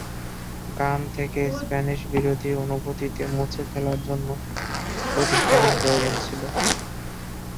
গান থেকে স্প্যানিশ বিরোধী অনুভূতিতে মুছে ফেলার জন্য প্রতিস্থাপন প্রয়োজন ছিল।